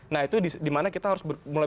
nah itu dimana kita harus mulai